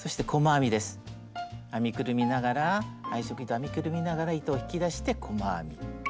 編みくるみながら配色糸編みくるみながら糸を引き出して細編み。